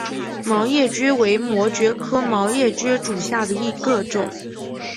毛叶蕨为膜蕨科毛叶蕨属下的一个种。